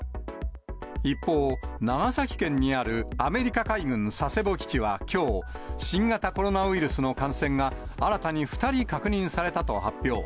一方、長崎県にあるアメリカ海軍佐世保基地はきょう、新型コロナウイルスの感染が、新たに２人確認されたと発表。